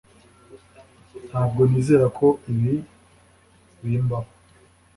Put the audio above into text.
Ntabwo nizera ko ibi bimbaho